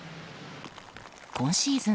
今シーズン